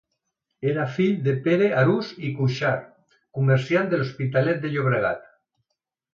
Era fill de Pere Arús i Cuixart, comerciant de l'Hospitalet de Llobregat.